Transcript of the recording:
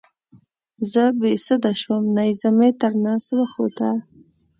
زه بې سده شوم نیزه مې تر نس وخوته.